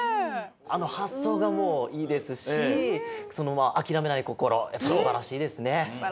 あのはっそうがもういいですしあきらめないこころやっぱすばらしいですね。